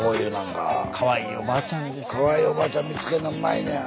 かわいいおばあちゃん見つけんのうまいのや。